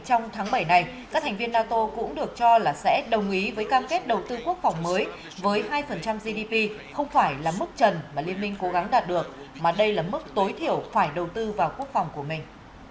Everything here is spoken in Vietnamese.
trong tháng bảy này các thành viên nato cũng được cho là sẽ đồng ý với cam kết đầu tư quốc phòng mới với hai gdp không phải là mức trần mà liên minh cố gắng đạt được mà đây là mức tối thiểu phải đầu tư vào quốc phòng của mình